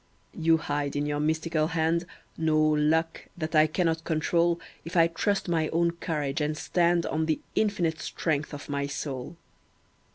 You hide in your mystical hand No "luck" that I cannot control, If I trust my own courage and stand On the Infinite strength of my soul.